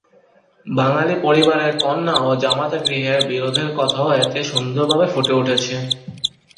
বাঙালি পরিবারের কন্যা ও জামাতাগৃহের বিরোধের কথাও এতে সুন্দরভাবে ফুটে উঠেছে।